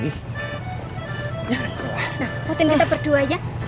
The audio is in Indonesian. nah fotoin kita berduanya